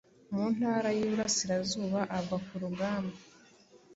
mu Ntara y’Iburasirazuba, agwa ku rugamba